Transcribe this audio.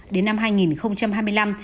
đến năm hai nghìn hai mươi năm